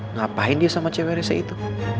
ngapain dia sama cewek saya itu